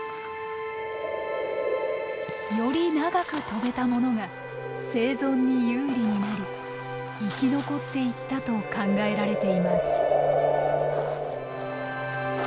より長く飛べたものが生存に有利になり生き残っていったと考えられています。